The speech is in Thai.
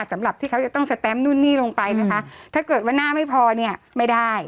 สำหรับที่เขาจะต้องสแตมนู่นนี่ลงไปนะคะถ้าเกิดว่าหน้าไม่พอเนี่ยไม่ได้